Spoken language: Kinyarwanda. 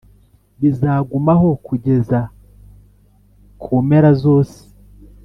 bizagumaho kugeza kumera zosi